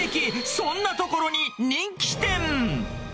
そんなトコロに人気店。